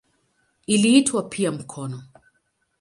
Iliitwa pia "mkono".